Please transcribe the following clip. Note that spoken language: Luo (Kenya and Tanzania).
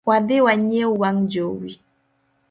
Wadhi wanyiew wang jowi